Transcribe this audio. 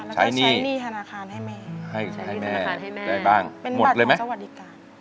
ใช้หนี้ธนาคารให้แม่ใช้หนี้ธนาคารให้แม่ได้บ้างหมดเลยไหมเป็นบัตรของสวัสดิการ